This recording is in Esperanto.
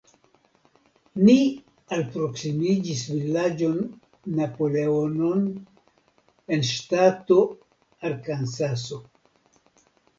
Ni alproksimiĝis vilaĝon Napoleonon en ŝtato Arkansaso.